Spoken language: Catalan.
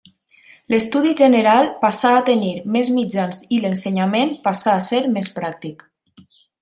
L'Estudi General passà a tenir més mitjans i l'ensenyament passà a ser més pràctic.